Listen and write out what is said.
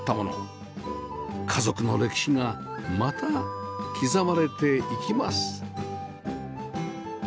家族の歴史がまた刻まれていきます